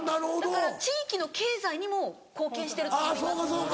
だから地域の経済にも貢献してると思います。